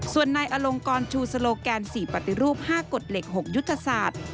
ส่วนนายอลงกรชูสโลแกน๔ปฏิรูป๕กฎเหล็ก๖ยุทธศาสตร์